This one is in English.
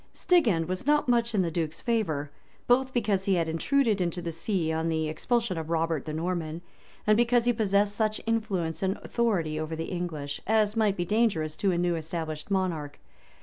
[] Stigand was not much in the duke's favor, both because he had intruded into the see on the expulsion of Robert the Norman, and because he possessed such influence and authority over the English[] as might be dangerous to a new established monarch.